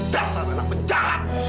dasar anak penjahat